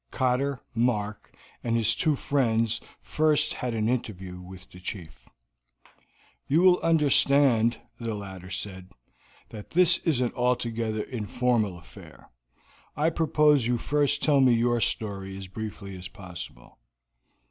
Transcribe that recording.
Cotter, Mark, and his two friends first had an interview with the chief. "You will understand," the latter said, "that this is an altogether informal affair. I propose you first tell me your story as briefly as possible."